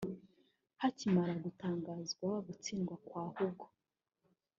Hakimara gutangazwa gutsinda kwa Hugo